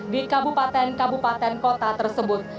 di kabupaten kabupaten kota tersebut